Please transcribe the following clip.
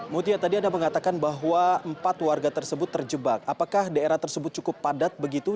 mutia tadi anda mengatakan bahwa empat warga tersebut terjebak apakah daerah tersebut cukup padat begitu